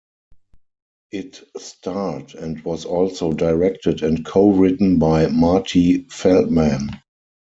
It starred and was also directed and co-written by Marty Feldman.